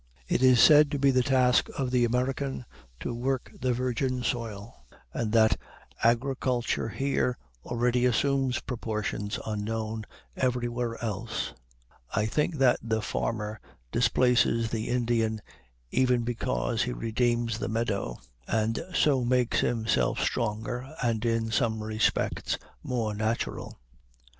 It is said to be the task of the American "to work the virgin soil," and that "agriculture here already assumes proportions unknown everywhere else." I think that the farmer displaces the Indian even because he redeems the meadow, and so makes himself stronger and in some respects more natural.